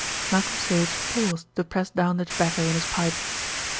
Malcolm Sage paused to press down the tobacco in his pipe.